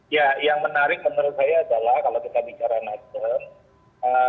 ya yang menarik menurut saya adalah